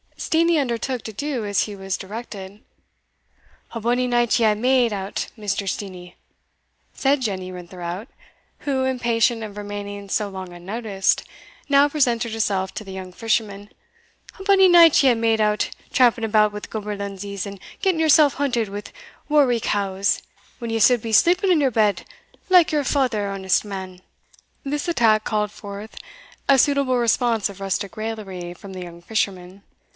Steenie undertook to do as he was directed. "A bonny night ye hae made o't, Mr. Steenie," said Jenny Rintherout, who, impatient of remaining so long unnoticed, now presented herself to the young fisherman "A bonny night ye hae made o't, tramping about wi' gaberlunzies, and getting yoursell hunted wi' worricows, when ye suld be sleeping in your bed, like your father, honest man." This attack called forth a suitable response of rustic raillery from the young fisherman.